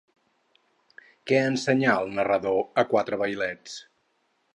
Què ensenyà el narrador a quatre vailets?